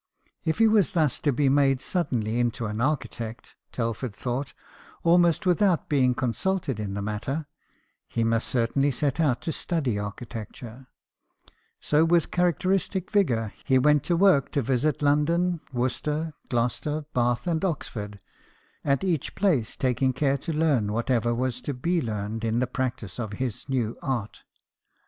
If he was thus to be made suddenly into an architect, Telford thought, almost without being consulted THOMAS TELFORD, STONEMASON. 19 in the matter, he must certainly set out to study architecture. So, v/ith characteristic vigour, he went to work to visit London, Worcester, Gloucester, Bath, and Oxford, at each place taking care to learn whatever was to be learned in the practice of his new art.